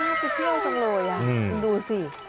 โอ้ยน่าจะเที่ยวจังเลยอ่ะคุณดูสิ